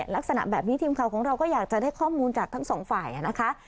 ลักษณะแบบนี้ทีมข่าวของเราก็อยากจะได้ข้อมูลจากทั้งสองฝ่ายนะคะ